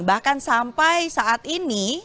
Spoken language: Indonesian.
bahkan sampai saat ini